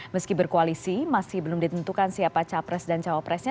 meski berkoalisi masih belum ditentukan siapa capres dan cawapresnya